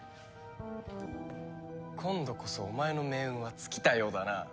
今度こそお前の命運は尽きたようだな。